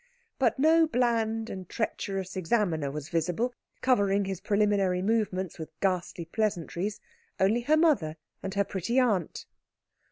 But no bland and treacherous examiner was visible, covering his preliminary movements with ghastly pleasantries; only her mother and her pretty aunt.